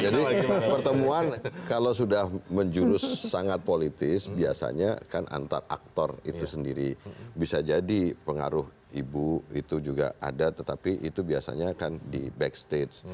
jadi pertemuan kalau sudah menjurus sangat politis biasanya kan antar aktor itu sendiri bisa jadi pengaruh ibu itu juga ada tetapi itu biasanya kan di backstage